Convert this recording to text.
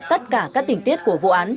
tất cả các tình tiết của vụ án